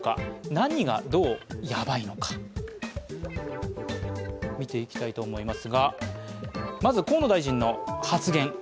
何がどうヤバいのか見ていきたいと思います。